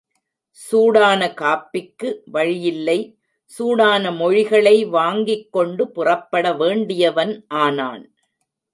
சூடான காப்பிக்கு வழியில்லை சூடான மொழிகளை வாங்கிக்கொண்டு புறப்பட வேண்டியவன் ஆனான்.